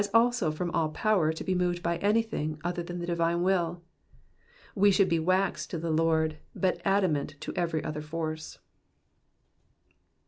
115 also from all power to be moved by anything other than the divine will. We should be wax to the Lord, but adamant to every other force.